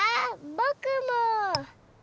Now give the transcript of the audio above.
ぼくも。